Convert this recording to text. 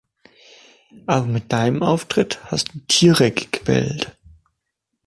Aber mit deinem Auftritt hast du Tiere gequält.